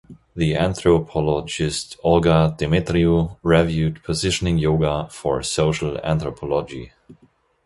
The anthropologist Olga Demetriou reviewed "Positioning Yoga" for "Social Anthropology".